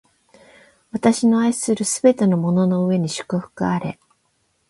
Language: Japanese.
私の愛するすべてのものの上に祝福あれ！